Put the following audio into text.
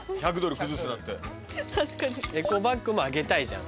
エコバッグもあげたいじゃん。